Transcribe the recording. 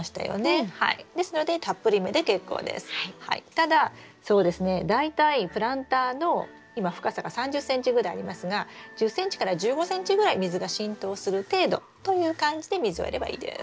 ただそうですね大体プランターの今深さが３０ｃｍぐらいありますが１０ｃｍから１５ｃｍぐらい水が浸透する程度という感じで水をやればいいです。